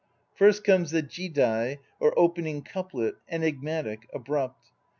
First comes the jidai or opening couplet, enigmatic, abrupt.